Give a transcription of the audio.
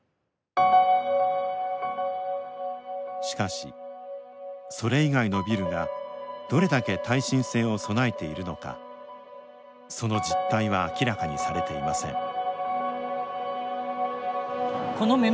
しかし、それ以外のビルがどれだけ耐震性を備えているのかその実態は明らかにされていません。